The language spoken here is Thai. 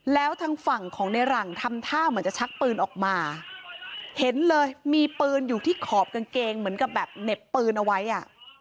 แล้วทางฝั่งของในหลังทำท่าเหมือนจะชักปืนออกมาเห็นเลยมีปืนอยู่ที่ขอบกางเกงเหมือนกับแบบเหน็บปืนเอาไว้อ่ะ